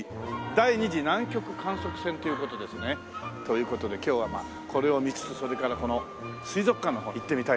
第二次南極観測船という事ですね。という事で今日はこれを見つつそれからこの水族館の方に行ってみたいと思いますね。